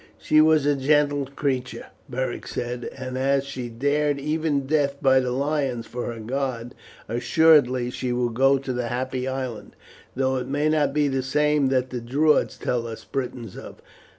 "She was a gentle creature," Beric said, "and as she dared even death by the lions for her God, assuredly she will go to the Happy Island, though it may not be the same that the Druids tell us Britons of.